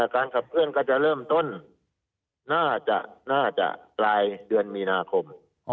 การขับเคลื่อนก็จะเริ่มต้นน่าจะปลายเดือนมีนาคม